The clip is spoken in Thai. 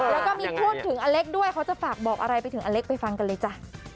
แล้วก็มีพูดถึงอเล็กด้วยเขาจะฝากบอกอะไรไปถึงอเล็กไปฟังกันเลยจ้ะ